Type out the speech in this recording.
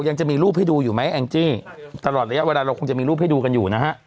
ทางกลุ่มมวลชนทะลุฟ้าทางกลุ่มมวลชนทะลุฟ้า